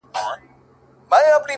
حُسنه دا عجيبه شانې کور دی لمبې کوي!